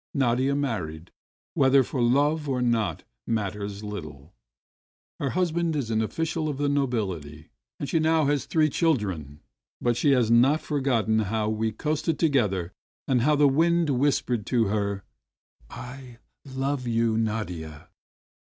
Nadia married, whether for love or not matters Uttle. Her husband is an official of the nobility, and she now has three children. But she has not forgotten how we coasted together and how the wind whispered to her: "I love you, Nadia!"